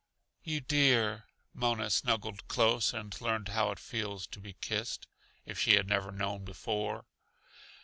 "You dear!" Mona snuggled close and learned how it feels to be kissed, if she had never known before.